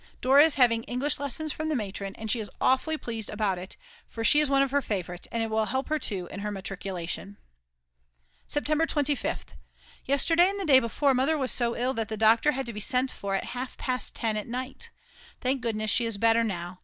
Dora is having English lessons from the matron, and she is awfully pleased about it, for she is one of her favourites and it will help her too in her matriculation. September 25th. Yesterday and the day before Mother was so ill that the doctor had to be sent for at half past 10 at night. Thank goodness she is better now.